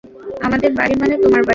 আমাদের বাড়ি মানে তোমার বাড়ি।